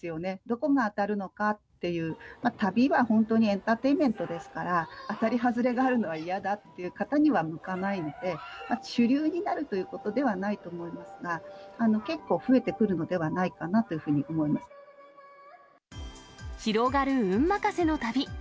どこが当たるのかっていう、旅は本当にエンターテインメントですから、当たり外れがあるのは嫌だっていう方には向かないので、主流になるということではないと思いますが、結構増えてくるので広がる運任せの旅。